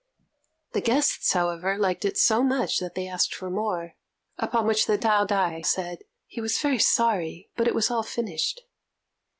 The guests, however, liked it so much that they asked for more; upon which the Taot'ai said, "he was very sorry, but it was all finished."